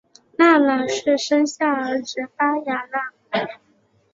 纳喇氏生下儿子巴雅喇。